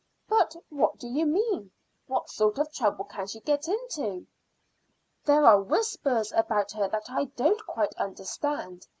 "But what do you mean? What sort of trouble can she get into?" "There are whispers about her that I don't quite understand.